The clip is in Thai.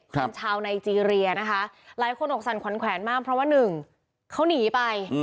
เป็นชาวไนเจรียนะคะหลายคนอกสั่นขวัญแขวนมากเพราะว่าหนึ่งเขาหนีไป